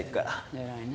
偉いね。